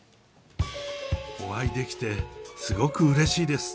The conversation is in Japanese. お会いできてすごくうれしいです。